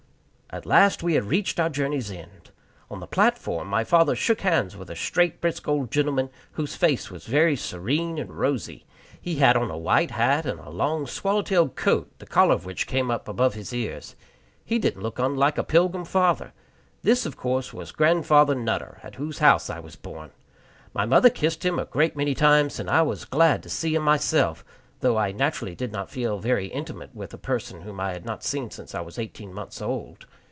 At last we had reached our journey's end. On the platform my father shook hands with a straight, brisk old gentleman whose face was very serene and rosy. He had on a white hat and a long swallow tailed coat, the collar of which came clear up above his cars. He didn't look unlike a Pilgrim Father. This, of course, was Grandfather Nutter, at whose house I was born. My mother kissed him a great many times; and I was glad to see him myself, though I naturally did not feel very intimate with a person whom I had not seen since I was eighteen months old.